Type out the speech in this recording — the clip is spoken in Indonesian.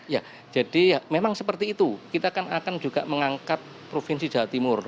ya jadi memang seperti itu kita akan juga mengangkat provinsi jawa timur